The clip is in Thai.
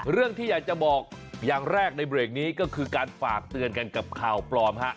เรื่องที่อยากจะบอกอย่างแรกในเบรกนี้ก็คือการฝากเตือนกันกับข่าวปลอมฮะ